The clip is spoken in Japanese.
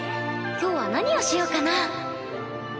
今日は何をしようかな？